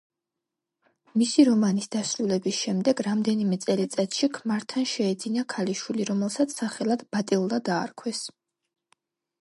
მისი რომანის დასრულების შემდეგ რამდენიმე წელიწადში ქმართან შეეძინა ქალიშვილი, რომელსაც სახელად ბატილდა დაარქვეს.